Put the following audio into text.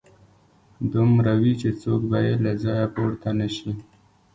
دومره وي چې څوک به يې له ځايه پورته نشي